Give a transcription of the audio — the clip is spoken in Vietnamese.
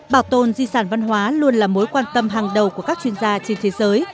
bảo tồn di sản văn hóa luôn là mối quan tâm hàng đầu của các chuyên gia trên thế giới